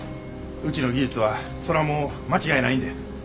うちの技術はそらもう間違いないんで。